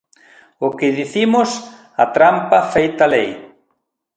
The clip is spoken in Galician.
O que dicimos: a trampa feita lei.